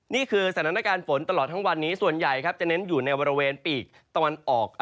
นี่คือสถานการณ์ฝนตลอดทั้งวันนี้ส่วนใหญ่ครับจะเน้นอยู่ในบริเวณปีกตะวันออก